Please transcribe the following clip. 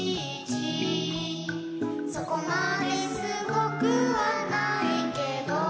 「そこまですごくはないけど」